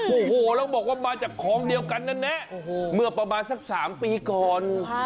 โอ้โหแล้วบอกว่ามาจากคลองเดียวกันแน่เมื่อประมาณสัก๓ปีก่อน